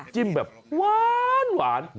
จิ้มแบบหวาน